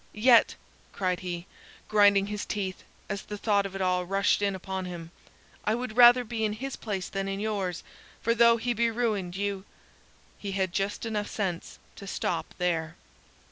Yet," cried he, grinding his teeth, as the thought of it all rushed in upon him, "I would rather be in his place than in yours; for though he be ruined, you " He had just sense enough to stop there.